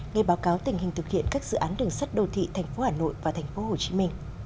ngay báo cáo tình hình thực hiện các dự án đường sắt đô thị tp hcm